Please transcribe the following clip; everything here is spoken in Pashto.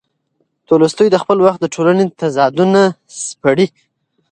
تولستوی د خپل وخت د ټولنې تضادونه سپړي.